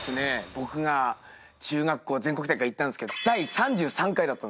僕が中学校全国大会行ったんすけど第３３回だったんすよ。